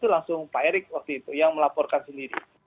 langsung pak erick waktu itu yang melaporkan sendiri